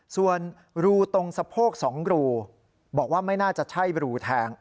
ส่วนรูตรงสะโพก๒รูบอกว่าไม่น่าจะใช่รูแทง